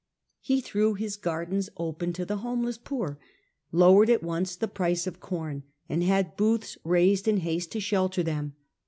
He threw his gardens open to the homeless poor, lowered at once the price of corn, and had booths raised in haste to shelter them.